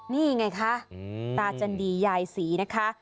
นี่ไงคะตาจันดียายศรีนะคะ